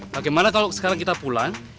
bagaimana kalau sekarang kita pulang